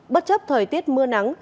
bất chấp thời tiết mưa nắng